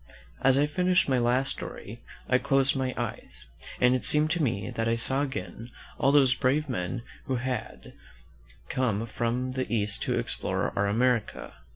As I finished my last story, I closed my eyes, and it seemed to me that I saw again all those brave men who had come from the East to explore our America.